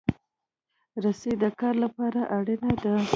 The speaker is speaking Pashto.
رسۍ د کار لپاره اړینه ده.